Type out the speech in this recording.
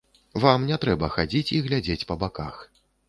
Вам не трэба хадзіць і глядзець па баках.